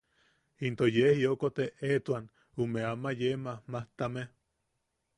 Into yee jiokot eʼeetuan ume ama yee majmajtame.